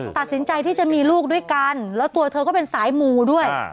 ตัดสินใจที่จะมีลูกด้วยกันแล้วตัวเธอก็เป็นสายมูด้วย